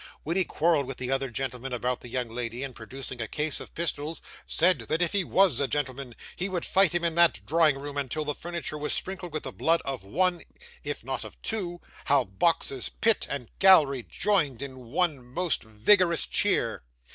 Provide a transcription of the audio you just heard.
When he quarrelled with the other gentleman about the young lady, and producing a case of pistols, said, that if he WAS a gentleman, he would fight him in that drawing room, until the furniture was sprinkled with the blood of one, if not of two how boxes, pit, and gallery, joined in one most vigorous cheer!